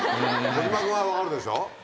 小島君は分かるでしょ？